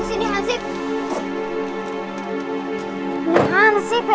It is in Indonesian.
ini ansih peh